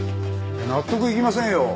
納得いきませんよ。